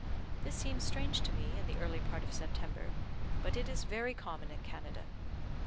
This seemed strange to me in the early part of September, but it is very common in Canada.